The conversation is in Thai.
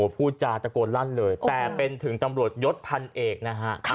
พูดจาตะโกนลั่นเลยแต่เป็นถึงตำรวจยศพันเอกนะฮะ